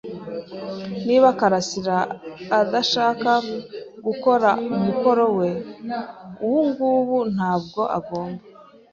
Niba karasira adashaka gukora umukoro we ubungubu, ntabwo agomba.